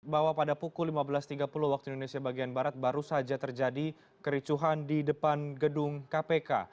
bahwa pada pukul lima belas tiga puluh waktu indonesia bagian barat baru saja terjadi kericuhan di depan gedung kpk